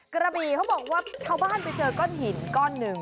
กระบีเขาบอกว่าชาวบ้านไปเจอก้อนหินก้อนหนึ่ง